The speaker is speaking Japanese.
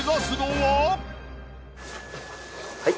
はい。